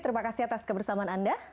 terima kasih atas kebersamaan anda